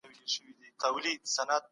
غلا د ټولنې يو بد عادت دی.